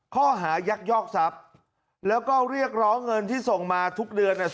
ข้อหายักยอกทรัพย์แล้วก็เรียกร้องเงินที่ส่งมาทุกเดือนเนี่ย